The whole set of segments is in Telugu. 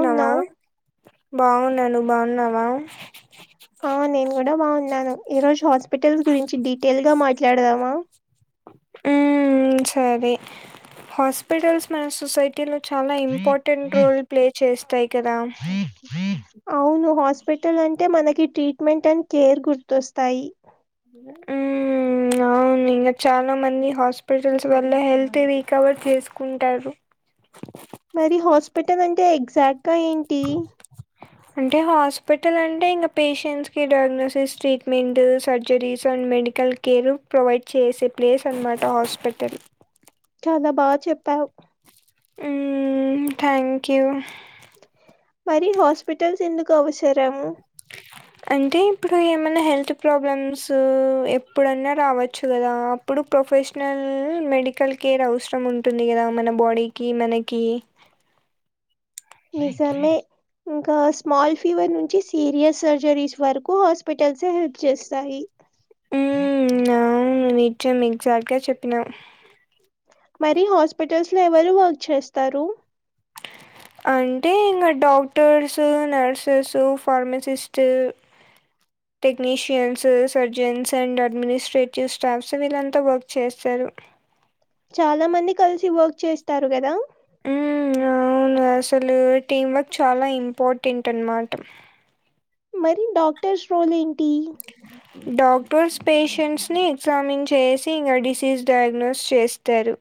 న్నావా బాగున్నాను నువ్వు బాగున్నావా ఆ నేను కూడా బాగున్నాను ఈ రోజు హాస్పిటల్స్ గురించి డీటెయిల్ గా మాట్లాడదామా ఉమ్ సరే హాస్పిటల్స్ మన సొసైటీ లో చాలా ఇంపార్టెంట్ రోల్ ప్లే చేస్తాయి కదా అవును హాస్పిటల్ అంటే మనకి ట్రీట్మెంట్ అండ్ కేర్ గుర్తొస్తాయి మ్మ్, అవును ఇంకా చాలా మంది హాస్పిటల్స్ వల్ల హెల్త్ రికవర్ చేసుకుంటారు మరి హాస్పిటల్ అంటే ఎగ్జాక్ట్ గా ఏంటి అంటే హాస్పిటల్ అంటే ఇంకా పేషెంట్స్ కి diagnosis treatment surgeries and medical care provide చేసే ప్లేస్ అన్నమాట హాస్పిటల్ చాలా బాగా చెప్పావు ఉమ్ థ్యాంక్ యూ మరి హాస్పిటల్స్ ఎందుకు అవసరము అంటే ఇప్పుడు ఏమైనా హెల్త్ ప్రాబ్లమ్స్ ఎప్పుడన్నా రావచ్చు కదా అప్పుడు ప్రొఫెషనల్ మెడికల్ కేర్ అవసరం ఉంటుంది కదా మన బాడీకి మనకి నిజమే ఇంకా స్మాల్ ఫీవర్ నుంచి సీరియస్ సర్జరీస్ వరకు హాస్పిటల్స్ హెల్ప్ చేస్తాయి ఉ అవును నిజం ఎగ్జాక్ట్గా చెప్పినావ్ మరి హాస్పిటల్స్ లో ఎవరు వర్క్ చేస్తారు అంటే ఇంకా డాక్టర్స్ నర్సెస్ ఫార్మసిస్ట్ హామ్ technicians surgeons and administrative staffs వీళ్ళంతా వర్క్ చేస్తారు చాలా మంది కలిసి వర్క్ చేస్తారు కదా ఉమ్ అవును అసలు టీం వర్క్ చాలా ఇంపార్టెంట్ అనమాట మరి డాక్టర్స్ రోల్ ఏంటి డాక్టర్స్ పేషెంట్స్ని ఎగ్జామిన్ చేసి ఇంక డిసీజ్ డయాగ్నోస్ చేస్తారు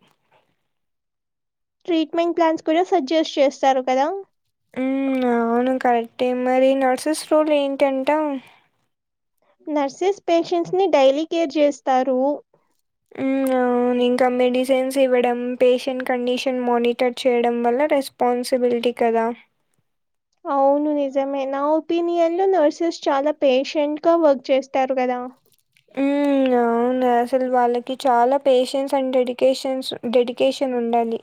ట్రీట్మెంట్ ప్లాన్స్ కూడా సజెస్ట్ చేస్తారు కదా ఉ అవును కరెక్టే మరి నర్సెస్ రోల్ ఏంటంటా నర్సెస్ పేషెంట్స్ ని డైలీ కేర్ చేస్తారు ఉ ఇంకా మెడిసైన్స్ ఇవ్వడం పేషెంట్ కండిషన్ మానిటర్ చేయడం వల్ల రెస్ స్పాన్సిబీలిటీ కదా అవును నిజమే నా ఒపీనియన్లో నర్సెస్ చాలా పేషెంట్గా వర్క్ చేస్తారు కదా ఉ ఆ అవునా అసలు వాళ్ళకి చాలా పేషన్స్ అండ్ డెడికేషన్స్ డెడికేషన్ ఉండాలి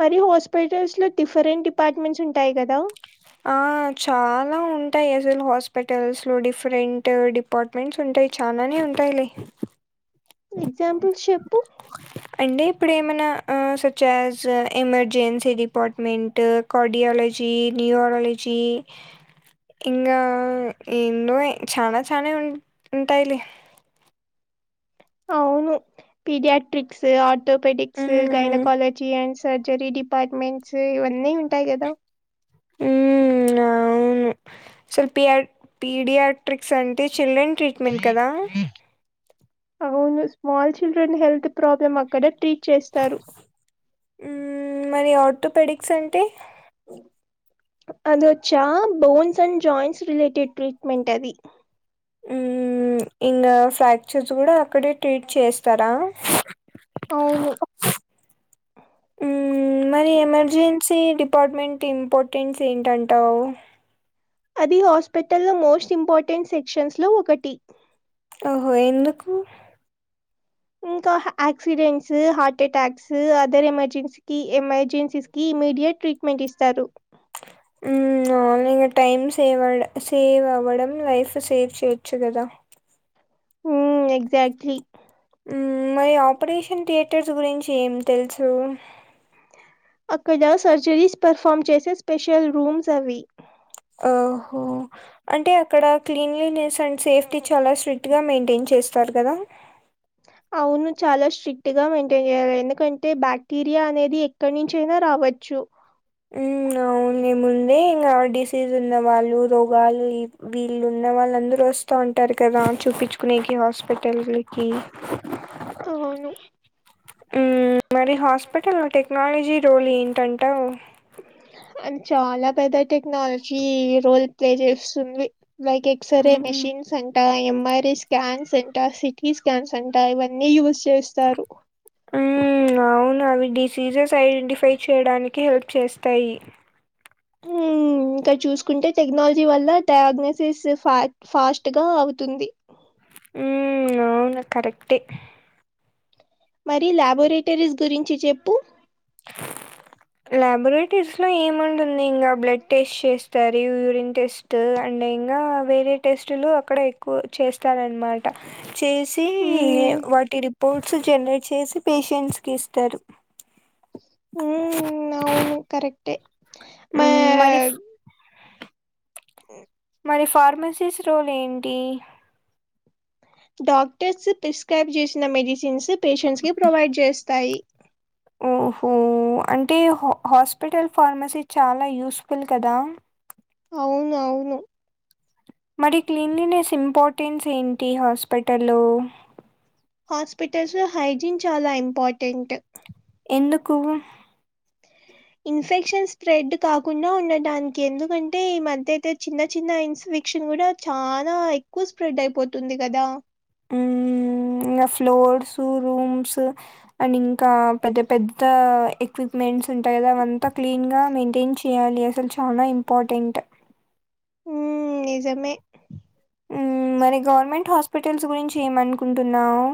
మరి హాస్పిటల్స్లో డిఫరెంట్ డిపార్ట్మెంట్స్ ఉంటాయి గదా ఆ చాలా ఉంటాయి ఎస్ఎల్ హాస్పిటల్స్లో డిఫరెంట్ డిప్ అపార్ట్మెంట్స్ ఉంటాయి చాలానే ఉంటాయిలే ఎగ్జాంపుల్స్ చెప్పు అంటే ఇప్పుడు ఏమైనా such as emergency department cardiology, neurology ఇంకా ఎన్నో చాలా చానే ఉ ఉంటాయిలే అవును పీడియాట్రిక్స్ ఆర్టోపెటిక్స్ గైన హ్మ్. కాలజీ అండ్ సర్జరీ డిపార్ట్మెంట్స్ ఇవన్నీ ఉంటాయి కదా హ్మ్. అవును సలు పియా పీడియాట్రిక్స్ అంటే చిల్డ్రన్ ట్రీట్మెంట్ కదా అవును స్మాల్ చిల్డ్రన్ హెల్త్ ప్రాబ్లం అక్కడ ట్రీట్ చేస్తారు ఊమ్ మరి ఆర్థోపెడిక్స్ అంటే అది వచ్చా bones and joints related treatment అది ఇంకా ఫ్రాక్చర్స్ కూడా అక్కడే ట్రీట్ చేస్తారా అవును ఊమ్ మరి ఎమర్జెన్స్ సి డిపార్ట్మెంట్ ఇంపార్టెన్స్ ఏంటంటావు అది హాస్పిటల్లో మోస్ట్ ఇంపార్టెంట్ సెక్షన్స్లో ఒకటి ఓహో ఎందుకు ఇంకా ఆక్సిడెంట్స్ హార్ట్ అటాక్స్ అదర్ ఎమర్జెన్సీకీ ఎమర్జెన్సీస్ ఈ ఇమీడియట్ ట్రీట్మెంట్ ఇస్తారు ఉ ఇక టైం సేవ్ అవ సేవ్ అవ్వడం లైఫ్ సేవ్ చేయచ్చు కదా ఉ ఎక్జాక్ట్లీ మరి ఆపరేషన్ థియేటర్స్ గురించి ఏం తెలుసు అక్కడ సర్జరీస్ పెర్ఫామ్ చేసే స్పెషల్ రూమ్స్ అవి ఓహో అంటే అక్కడ క్లీన్లీనెస్ అండ్ సేఫ్టీ చాలా స్ట్రిక్ట్గా మెయింటైన్ చేస్తారు కదా అవును చాలా స్ట్రిక్ట్గా మెయింటైన్ జేయాలె ఎందుకంటే బాక్టీరియా అనేది ఎక్కడి నుంచైనా రావచ్చు అవు ముందే ఇంకా డిసీజ్ ఉన్న వాళ్ళు రోగాల్ని వీళ్ళున్న వాళ్ళుందరు వస్తూ ఉంటారు కదా చూపించుకునేకి హాస్పిటల్లకి అవును. మరి హాస్పిటల్ టెక్నాలజీ రోల్ ఏంటంటావు అద్ చాలా పెద్ద టెక్నాలజీ రోల్ప్లే చేస్తుంది లైకెక్ క్సరే హ్మ్. మెషిన్ సంక్ ఎంఆర్ఐ స్కాన్స్ ఎంట సిటీ స్కాన్స్ ఎంట ఇవన్నీ యూజ్ చేస్తారు అవును అవి డిసీజెస్ ఐడెంటిఫై చేయడానికి హెల్ప్ చేస్తాయి హూ ఇంకా చూసుకుంటే టెక్నాలజీ వల్ల డయాగ్నోసిస్ ఫ ఫాస్ట్ గా అవుతుంది ఊ అవును కరెక్టే మరి ల్యాబోరేటరీస్ గురించి జెప్పు ల్యాబొరేటరీస్ లో ఏముంటుంది ఇంగా బ్లడ్ టెస్ట్ చేస్తారు యూరిన్ టెస్ట్ ట్ అండ్ ఇంగా వేరే టెస్టులు అక్కడ ఎక్కువ చేస్తారనమాట్ ట చేసి మ్మ్, వాటి రిపోర్ట్స్ జనరేట్ చేసి పేషెంట్స్కి ఇస్తారు. మ్మ్, అవును కరెక్టే ఊ మా మరి ఇఫ్ ఉ మరి ఫార్మసీస్ రోలు ఏంటి డాక్టర్స్ పిస్క్రైబ్ జేశిన మెడిసిన్స్ పేషెంట్స్ కి ప్రొవైడ్ జేస్తాయి ఓహో అంటే హ హాస్పిటల్ ఫార్మసీ చాలా యూస్ఫుల్ కదా అవునవును మరి క్లీన్లీనెస్ ఇంపార్టెన్స్ ఏంటి హాస్పిటల్లో హాస్పిటల్స్ లో హైజీన్ చాలా ఇంపార్టెంట్ ఎందుకు ఇన్ఫెక్షన్ స్ప్రెడ్ కాకుండా ఉండటానికి ఎందుకంటే ఈ మదతెత్ చిన్న చిన్న ఇన్ఫెక్షన్ గూడా చాలా ఎక్కువ స్ప్రెడ్ అయిపోతుంది గదా ఊమ్ ఇంగా ఫ్లోర్స్ రూమ్స్ అండ్ ఇంకా పెద్ద పెద్ద ఎక్ ఎక్విప్మెంట్స్ ఉంటాయి కదా అవంతా క్లీన్ గా మెయింటైన్ చేయాలి. అసలు చాలా ఇంపార్టెంట్ ఊ నిజమే ఊ మరి గవర్నమెంట్ హాస్పిటల్స్ గురించి ఏమనుకుంటున్నావు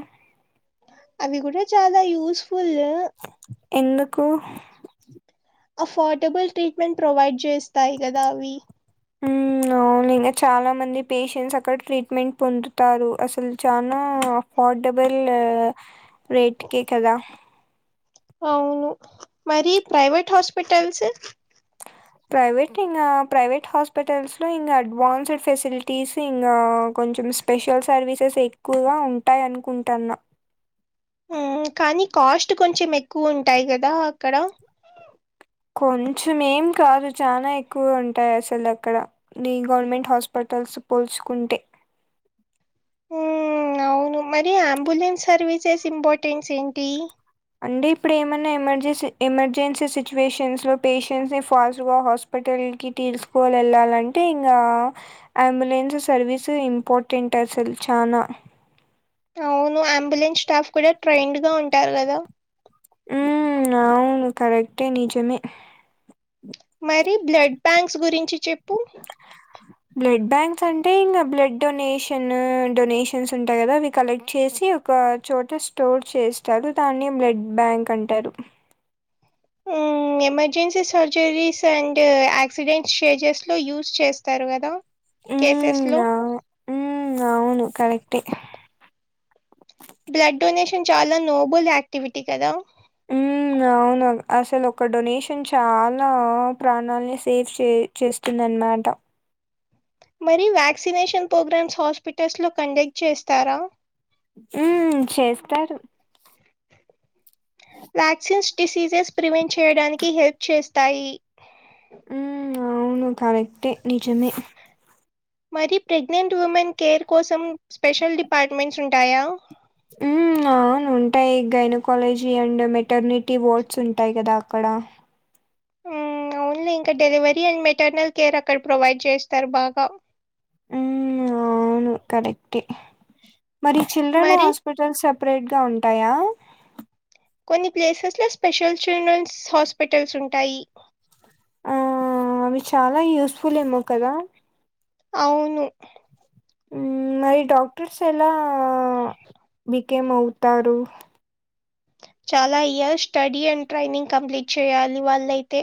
అవి కూడా చాలా యూస్ఫుల్ ఎందుకు అఫోర్డబుల్ ట్రీట్మెంట్ ప్రొవైడ్ చేస్తాయి కదా అవి ఊ అవును ఇంకా చాలా మంది పేషెంట్స్ అక్కడ ట్రీట్మెంట్ పొందుతారు అసలు చనా అఫోర్డబుల్ రేట్కే కదా అవును మరి ప్రైవేట్ హాస్పిటల్స్ ప్రైవేట్ ఇంగ ప్రైవేట్ హాస్పిటల్స్లో ఇంగ అడ్వాన్స్డ్ ఫెసలిటీస్ ఇంకా కొంచెం స్పెషల్ సర్వీసెస్ ఎక్కువగా ఉంటాయి అనుకుంటాన్న ఉ కానీ కాస్ట్ కొంచెం ఎక్కువ ఉంటాయి కదా అక్కడ కొంచెం ఏం కాదు చాల ఎక్కువ ఉంటాయి అసలు అక్కడ నీ గవర్నమెంట్ హాస్పిటల్స్ పోల్చుకుంటే ఊ మరి ఆవును అంబులెన్స్ సర్వీసెస్ ఇంపార్టెన్స్ ఏంటి అండీ ఇప్పుడేమన్నా ఎమర్జెన్సీ ఎమర్జెన్సీ సిచ్యువేషన్స్ లో పేషెంట్స్ని ఫాస్ట్గా హాస్ పెటల్ కి తీసుకోవాల ఎళ్ళాలంటే ఇంగా అంబులెన్స్ సర్వీసు ఇంపార్టెంట్ అసలు చాలా అవును అంబులెన్స్ స్టాఫ్ కూడా ట్రైన్డ్ గా ఉంటారు గదా ఊమ్ అవును కరెక్టే నిజమే మరి బ్లడ్ బ్యాంక్స్ గురించి చెప్పు బ్లడ్ బ్యాంక్స్ అంటే ఇంగా బ్లడ్ డొనేషన్ డొనేషన్స్ ఉంటాయి కదా అవి కలెక్ట్ చేసి ఒక చోట స్టోర్ చేస్తారు దాన్ని బ్లడ్ బ్యాంక్ అంటారు ఊ emergency surgeries and accidents stages లో యూస్ చేస్తారు గదా కేసెస్ లో ఉ అవును కరెక్టే బ్లడ్ డొనేషన్ చాలా నోబల్ యాక్టివిటీ కదా అ అవునా అసలు ఒక డొనేషన్ చాలా ప్రాణాలని సేఫ్ చే చేస్తుందన్నమాట మరి వ్యాక్సినేషన్ ప్రోగ్రామ్స్ హాస్పిటల్స్లో కండక్ట్ చేస్తారా ఉమ్ చేస్తారు వ్యాక్సిన్స్ డిసీజెస్ ప్రివెంట్ చేయడానికి హెల్ప్ చేస్తాయి ఊమ్ ఆవును కరెక్టే నిజమే మరి ప్రెగ్నెంట్ ఉమెన్ కేర్ కోసం స్పెషల్ డిపార్ట్మెంట్స్ ఉంటాయా హ్మ్ అవును ఉంటాయి గైనోకాలజీ అండ్ మెటర్నిటీ వార్డ్స్ ఉంటాయి కదా అక్కడ ఓన్లీ ఇంకా డెలివరీ అండ్ మెటర్నల్ కేర్ అక్కడ ప్రొవైడ్ చేస్తారు బాగా ఉమ్ అవును కరెక్టే మరి చిల్డ్రన్ హాస్పి మరి హాస్పిటల్స్ సపరేట్ గా ఉంటాయా కొన్ని ప్లేసెస్ లో స్పెషల్ చిల్డ్రన్స్ హాస్పిటల్స్ ఉంటాయి ఆ అవి చాలా యూస్ఫుల్ ఏమో కదా అవును ఉమ్ మరి డాక్టర్స్ ఎలా బికేం అవుతారు చాలా years study and training complete చేయాలి వాళ్ళయితే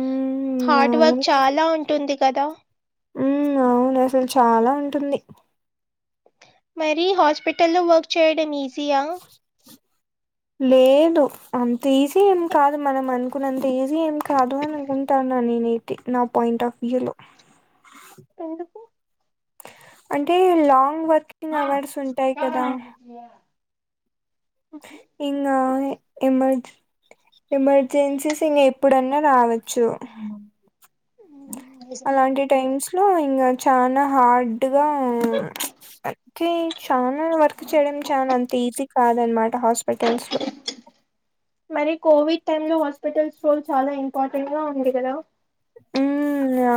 మ్మ్ హార్డ్ వర్క్ చాలా ఉంటుంది కదా ఉ అవును అసలు చాలా ఉంటుంది మరి హాస్పిటల్లో వర్క్ చేయడం ఈజియా లేదు అంత ఈజీ ఏం కాదు మనం అనుకున్నంత ఈజీ ఏం కాదు అని అనుకుంటాన్నా నేను నా పాయింట్ ఆఫ్ వ్యూ లో ఎందుకు అంటే లాంగ్ వర్కింగ్ అవర్స్ ఉంటాయి కదా అ ఇంగ ఎమర్జ్ ఎమర్జెన్సీస్ ఇంక ఎప్పుడన్నా రావచ్చు మ్మ్, నిజమే. అలాంటి టైమ్స్ లో ఇంకా చానా హార్డ్గాకే చాలా వర్క్ చేయడం చాలా అంత ఈజీ కాదనమాట హాస్పిటల్స్ లో మరి కోవిడ్ టైమ్ లో హాస్పిటల్స్ రోల్ చాలా ఇంపార్టెంట్ గా ఉంది కదా ఉ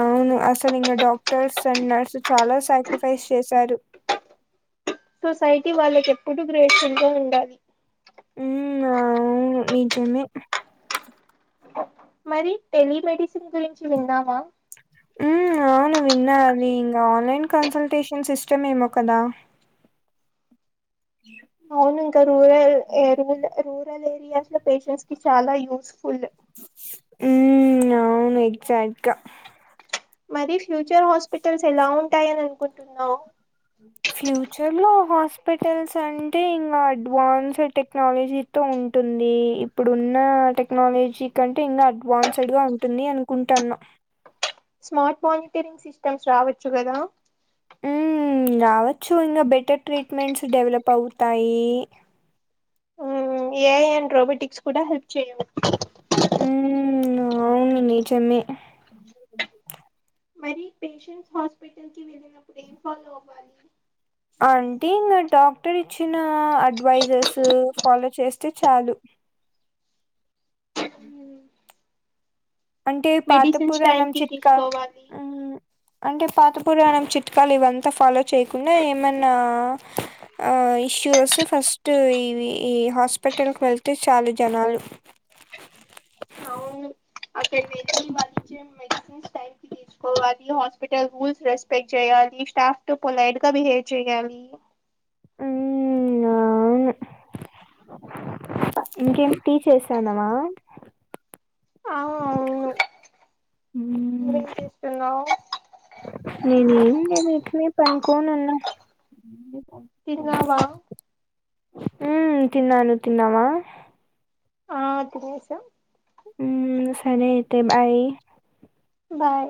అవును అసలు ఇంకా డాక్టర్స్ అండ్ నర్స్ చాలా సాక్రిఫైస్ చేశారు సొసైటీ వాళ్ళకి ఎప్పుడు గ్రేట్ఫుల్ గా ఉండాలి ఉమ్ నిజమే మరి టెలిమెడిసిన్ గురించి విన్నామా ఊ అవునువిన్నా అవి ఇంకా ఆన్లైన్ కన్సల్టేషన్ సిస్టమ్ ఏమో కదా బ్లాంక్ అవును ఇంకా రూరల్ ఏరియా రూరల్ ఏరియా అట్లా పేషెంట్స్ కి చాలా యూస్ఫులు ఉ అవును ఎక్సాక్ట్ గా మరి ఫ్యూచర్ హాస్పిటల్స్ ఎలా ఉంటాయని అనుకుంటున్నావ్ ఫ్యూచర్ లో హాస్పిటల్స్ అంటే ఇంక అడ్వాన్స్ టెక్నాలజీ తో ఉంటుంది ఇప్పుడున్న టెక్నాలజీ కంటే ఇంకా అడ్వాన్స్డ్గా ఉంటుంది అనుకుంటాన స్మార్ట్ మోనిటరింగ్ సిస్టమ్స్ రావచ్చు గదా ఉ రవచ్చు ఇంక బెటర్ ట్రీట్మెంట్స్ డెవలప్ అవుతాయి ఏఐ అండ్ రోబోటిక్స్ కూడ హెల్ప్ [unintelligible] ఉహ్ అవును నిజమే మరి పేషెంట్స్ హాస్పిటల్కి వెళ్ళినప్పుడు ఏం ఫాలో అవ్వాలి అంటే ఇంకా డాక్టర్ ఇచ్చిన అడ్వైజెస్ ఫాలో చేస్తే చాలు అంటే పాత మెడిసిన్స్ టైం పురాణం కి చిట్క తీసుకోవాలి అంటే పాత పురాణం చిట్కాలు ఇవంత ఫాలో చేయకుండ ఏమన్నా ఆ ఇష్యూ వస్తే ఫస్ట్ ఈ ఈ హాస్పిటల్కి వెళ్తే చాలు జనాలు అవును అక్కడ [unintelligible] తీసుకోవాలి హాస్పిటల్ రూల్స్ రెస్పెక్ట్ చేయాలి స్టాఫ్ త పొలైట్ గా బిహేవ్ చెయ్యాలి ఉ ఇంకేం టీ చేసాన అ అవును మ్మ్ నువ్వేం చేస్తున్నావు నేను ఏం నేను [unintelligible] పనుకోనున్న ఉ తిన్నావా తిన్నాను నువ్వు తిన్నావ ఆ [unintelligible] ఉ సరే అయితే బాయ్ బాయి